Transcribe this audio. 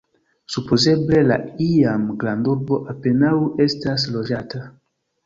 Supozeble la iam grandurbo apenaŭ estas loĝata.